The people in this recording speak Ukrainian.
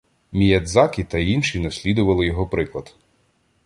Міядзакі та інші наслідували його приклад.